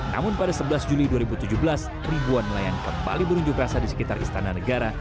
namun pada sebelas juli dua ribu tujuh belas ribuan nelayan kembali berunjuk rasa di sekitar istana negara